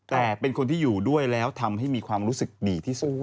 แต่เป็นคนที่อยู่ด้วยแล้วทำให้มีความรู้สึกดีที่สุด